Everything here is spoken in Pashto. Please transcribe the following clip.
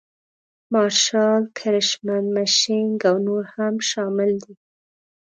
مارشال کرشمن مشینک او نور هم شامل دي.